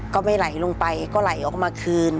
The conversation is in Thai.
ก็ไม่ไหลลงไปก็ไหลออกมาคืน